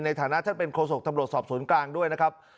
ในฐานะท่านเป็นโคศกตำรวจสอบศูนย์กลางด้วยนะครับ